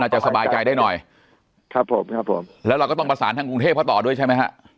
จะสบายใจได้หน่อยครับผมครับผมแล้วเราก็ต้องประสานทางกรุงเทพเขาต่อด้วยใช่ไหมฮะ